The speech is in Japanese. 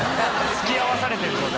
付き合わされてる状態。